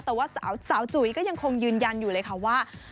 แต่ว่าสาวจุ๋ยก็ยังคงยืนยันอยู่เลยค่ะว่า